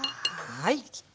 はい。